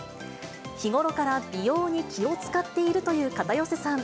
日頃から美容に気を遣っているという片寄さん。